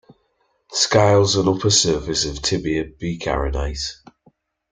Scales on upper surface of tibia bicarinate.